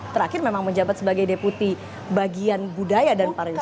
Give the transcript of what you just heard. terakhir memang menjabat sebagai deputi bagian budaya dan pariwisata